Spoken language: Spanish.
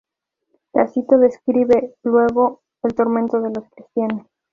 Tácito describe luego el tormento de los cristianos.